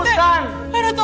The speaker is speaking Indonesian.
ya ampun pak rete